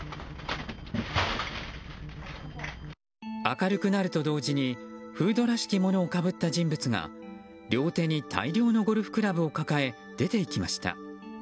明るくなると同時にフードらしきものをかぶった人物が両手に大量のゴルフクラブを抱え出て行きました。